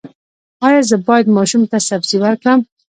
ایا زه باید ماشوم ته سبزي ورکړم؟